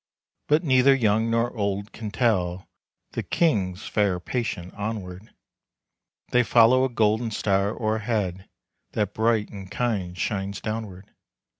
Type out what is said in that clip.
But neither young nor old can tell. The kings fare patient onward, They follow a golden star o'erhead, That bright and kind shines downward.